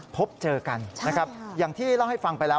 พบเจอกันนะครับอย่างที่เล่าให้ฟังไปแล้ว